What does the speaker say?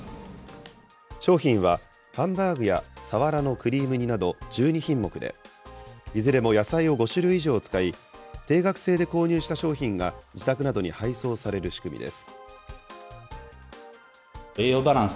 商品はハンバーグやさわらのクリーム煮など１２品目で、いずれも野菜を５種類以上使い、定額制で購入した商品が自宅などに配送される仕組みです。